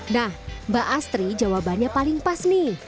nah mbak astri jawabannya paling pas nih